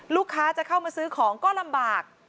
ลูกค้าจะเข้ามาซื้อของก็ลำบาก